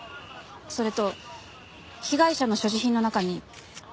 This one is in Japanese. それと被害者の所持品の中に。